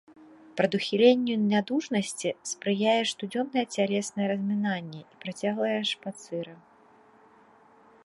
Прадухіленню нядужасці спрыяе штодзённае цялеснае размінанне і працяглыя шпацыры.